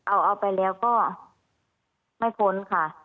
เอาไปแล้วก็ไม่พ้นค่ะ